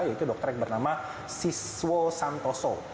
yaitu dokter yang bernama siswa santoso